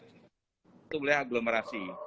itu boleh aglomerasi